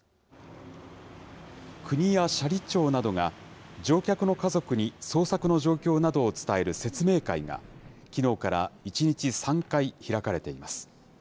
国や斜里町などが、乗客の家族に捜索の状況などを伝える説明会が、きのうから１日３回開かれています。